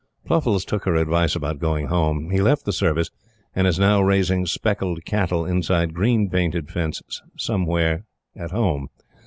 Pluffies took her advice about going Home. He left the Service, and is now raising speckled cattle inside green painted fences somewhere at Home.